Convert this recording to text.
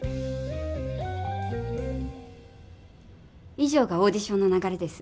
い上がオーディションの流れです。